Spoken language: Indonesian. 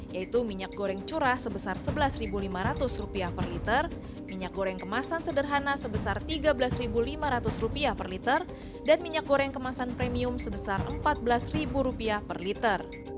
yaitu minyak goreng curah sebesar rp sebelas lima ratus per liter minyak goreng kemasan sederhana sebesar rp tiga belas lima ratus per liter dan minyak goreng kemasan premium sebesar rp empat belas per liter